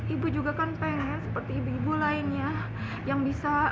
ibu juga kan pengen seperti ibu ibu lainnya yang bisa